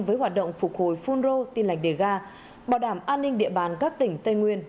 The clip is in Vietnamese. với hoạt động phục hồi phunro tin lạch đề ga bảo đảm an ninh địa bàn các tỉnh tây nguyên